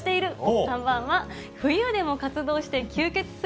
３番は冬でも活動して吸血する。